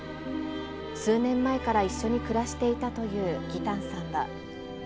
数年前から一緒に暮らしていたという義丹さんは。